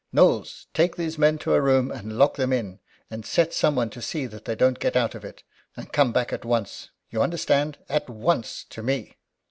Knowles! take these men to a room, and lock them in it, and set some one to see that they don't get out of it, and come back at once. You understand, at once to me!"